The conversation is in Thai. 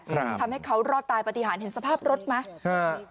ทำให้เขารอดตายปฏิหารเห็นสภาพรถไหมฮะ